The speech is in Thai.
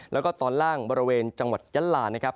แล้วก็ตอนล่างบริเวณจังหวัดยะลานะครับ